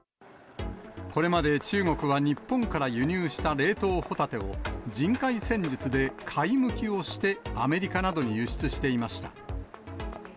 これまで中国は日本から輸入した冷凍ホタテを、人海戦術で貝むきをしてアメリカなどに輸出していました。